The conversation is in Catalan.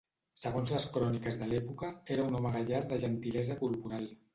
Segons les cròniques de l'època, era un home gallard de gentilesa corporal.